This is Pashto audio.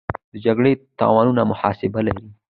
د جګړې د تاوانونو محاسبه لري.